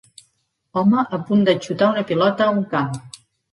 Home a punt de xutar una pilota a un camp.